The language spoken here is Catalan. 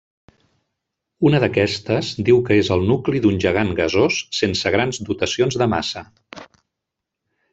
Una d'aquestes diu que és el nucli d'un gegant gasós sense grans dotacions de massa.